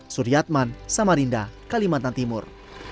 suryatman samarinda kalimantan timur